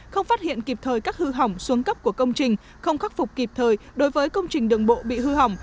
không phát hiện kịp thời các hư hỏng xuống cấp của công trình không khắc phục kịp thời đối với công trình đường bộ bị hư hỏng